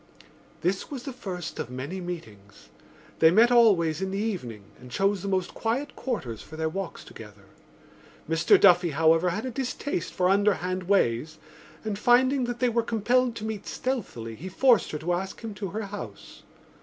This was the first of many meetings; they met always in the evening and chose the most quiet quarters for their walks together. Mr Duffy, however, had a distaste for underhand ways and, finding that they were compelled to meet stealthily, he forced her to ask him to her house.